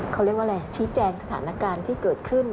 เขาเรียกว่าอะไรชี้แจงสถานการณ์ที่เกิดขึ้น